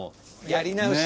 やり直し。